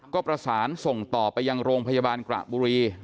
ก็ประสานส่งต่อไปยังโรงพยาบาลกระบุรี